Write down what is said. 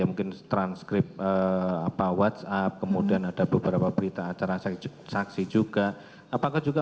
mungkin transkrip apa whatsapp kemudian ada beberapa berita acara saksi juga apakah juga